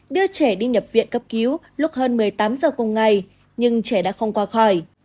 đưa trẻ đi nhập viện cấp cứu lúc hơn một mươi tám giờ cùng ngày nhưng trẻ đã không qua khỏi